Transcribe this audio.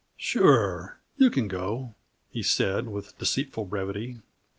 "Sure, you can go," he said, with deceitful brevity.